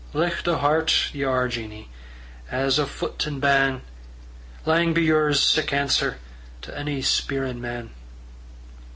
"Licht o' hert ye are, Jeannie, As o' foot and ban'! Lang be yours sic answer To ony spierin' man."